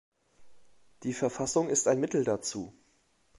Die Verfassung ist ein Mittel dazu.